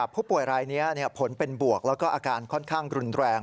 ผู้ป่วยรายนี้ผลเป็นบวกแล้วก็อาการค่อนข้างรุนแรง